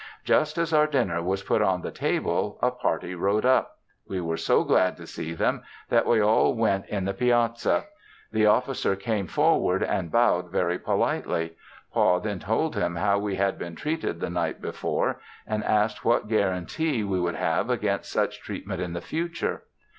Just as our dinner was put on the table a party rode up; we were so glad to see them that we all went in the piazza. The officer came forward and bowed very politely. Pa then told him how we had been treated the night before and asked what guarantee we would have against such treatment in the future.